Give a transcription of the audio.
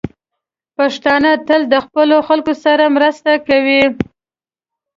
پښتانه تل د خپلو خلکو سره مرسته کوي.